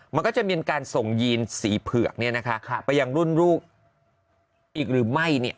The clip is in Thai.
มันก็จะมีการส่งยีนสีเผือกไปยังรุ่นลูกอีกหรือไม่